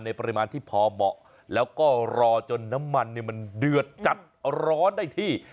ปริมาณที่พอเหมาะแล้วก็รอจนน้ำมันมันเดือดจัดร้อนได้ที่